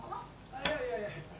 いやいやいや